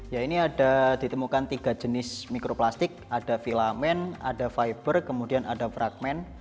ya ini ada ditemukan tiga jenis mikroplastik ada filament ada fiber kemudian ada fragment